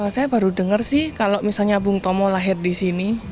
saya baru dengar sih kalau misalnya bung tomo lahir di sini